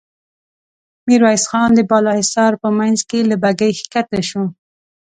ميرويس خان د بالا حصار په مينځ کې له بګۍ کښته شو.